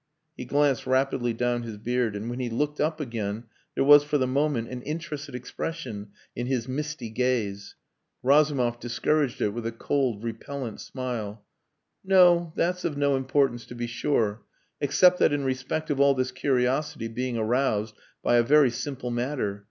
He glanced rapidly down his beard, and when he looked up again there was for a moment an interested expression in his misty gaze. Razumov discouraged it with a cold, repellent smile. "No. That's of no importance to be sure except that in respect of all this curiosity being aroused by a very simple matter....